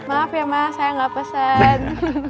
maaf ya mas saya nggak pesan